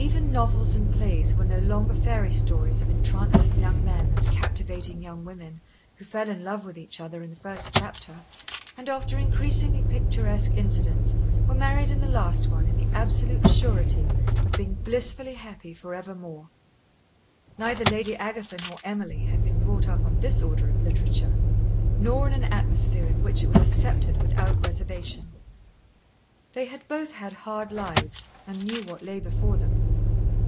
Even novels and plays were no longer fairy stories of entrancing young men and captivating young women who fell in love with each other in the first chapter, and after increasingly picturesque incidents were married in the last one in the absolute surety of being blissfully happy forevermore. Neither Lady Agatha nor Emily had been brought up on this order of literature, nor in an atmosphere in which it was accepted without reservation. They had both had hard lives, and knew what lay before them.